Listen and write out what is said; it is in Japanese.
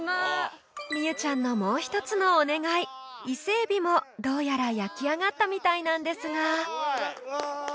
望結ちゃんのもう１つのお願い伊勢エビもどうやら焼きあがったみたいなんですがうわあ！